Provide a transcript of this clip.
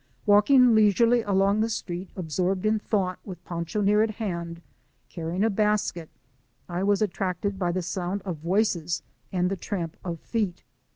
Walking leisurely along the street, absorbed in thought, with Pancho near at hand carrying a basket, I was attracted by the sound of voices and the tramp of feet.